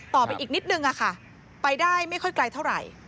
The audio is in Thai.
ต่อไปอีกนิดนึงค่ะไปได้ไม่ค่อยไกลเท่าไหร่